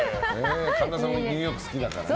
神田さんもニューヨーク好きだからね。